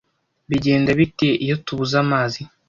Bigenda bite iyo tubuze amazi?